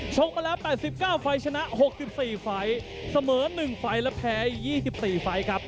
ชมกันแล้ว๘๙ฝ่ายชนะ๖๔ฝ่ายเสมอ๑ฝ่ายแล้วแพ้๒๔ฝ่ายครับ